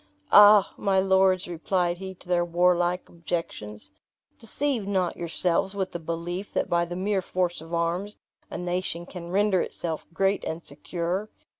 "Ah! my lords," replied he to their warlike objections, "deceive not yourselves with the belief that by the mere force of arms, a nation can render itself great and secure.